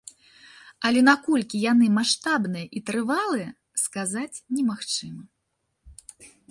Але наколькі яны маштабныя і трывалыя, сказаць немагчыма.